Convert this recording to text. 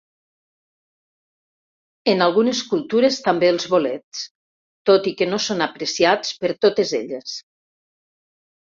En algunes cultures també els bolets, tot i que no són apreciats per totes elles.